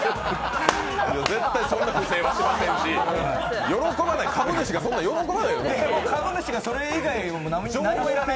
絶対そんな不正はしませんし、株主がそんなん喜ばない。